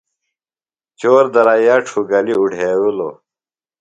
چور درائِیا ڇُھوگلیۡ اُڈھیوِلوۡ۔